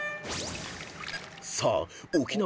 ［さあ沖縄